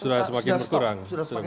sudah semakin berkurang